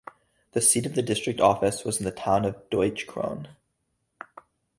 The seat of the district office was in the town of Deutsch Krone.